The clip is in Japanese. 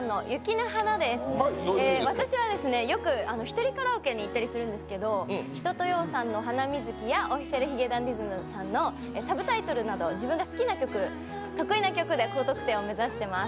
私はよく一人カラオケに行ったりするんですけど、一青窈の「ハナミズキ」やＯｆｆｉｃｉａｌ髭男ｄｉｓｍさんの曲など自分で好きな曲、得意な曲で高得点を目指しています。